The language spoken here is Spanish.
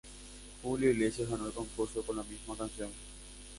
Julio Iglesias ganó el concurso con la misma canción.